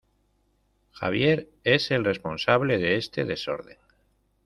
¡Javier es el responsable de este desorden!